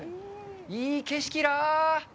いい景色ら。